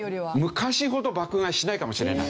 昔ほど爆買いしないかもしれない。